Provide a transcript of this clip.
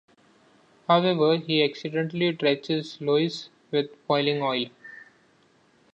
However, he accidentally drenches Lois with boiling oil.